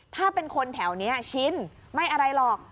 ถ้าเป็นคนแถวนี้ชินไม่อะไรหรอก